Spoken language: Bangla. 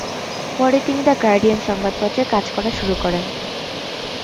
পরে তিনি দ্য গার্ডিয়ান সংবাদপত্রে কাজ করা শুরু করেন।